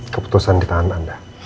keputusan di tangan anda